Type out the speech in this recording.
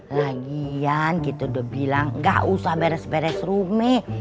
lagian gitu udah bilang gak usah beres beres rumi